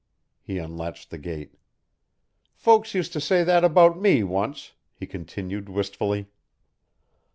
He unlatched the gate. "Folks used to say that about me once," he continued wistfully.